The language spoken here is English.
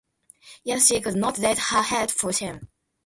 Yet she could not raise her head for shame.